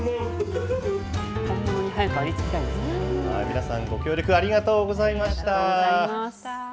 皆さん、ご協力ありがとうございました。